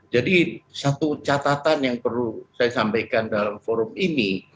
jadi satu catatan yang perlu saya sampaikan dalam forum ini